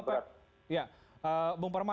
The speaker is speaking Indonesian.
jadi ini sangat berat